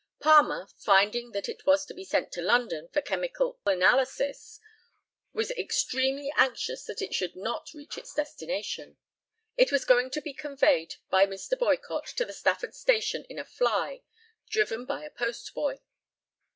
Palmer, finding that it was to be sent to London for chymical analysis, was extremely anxious that it should not reach its destination. It was going to be conveyed by Mr. Boycott to the Stafford station in a fly, driven by a post boy.